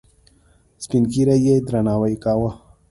سپین ږیرو یې درناوی کاوه.